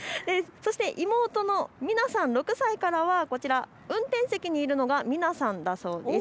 そして妹の美菜さん、６歳からはこちら、運転席にいるのが美菜さんだそうです。